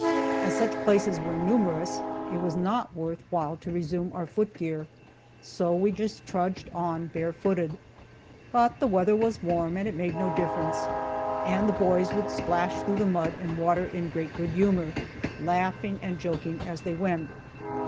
As such places were numerous, it was not worth while to resume our foot gear, so we just trudged on bare footed. But the weather was warm, and it made no difference, and the boys would splash through the mud and water in great good humor, laughing and joking as they went.